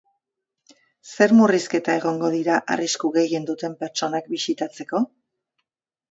Zer murrizketa egongo dira arrisku gehien duten pertsonak bisitatzeko?